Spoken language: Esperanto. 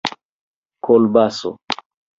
kolbaso